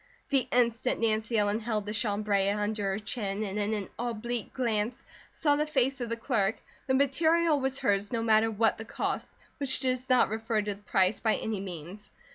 The instant Nancy Ellen held the chambray under her chin and in an oblique glance saw the face of the clerk, the material was hers no matter what the cost, which does not refer to the price, by any means.